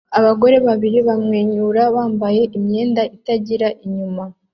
Abagore babiri bamwenyura bambaye imyenda itagira inyuma